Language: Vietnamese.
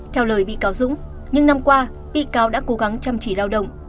theo lời bị cáo dũng những năm qua bị cáo đã cố gắng chăm chỉ lao động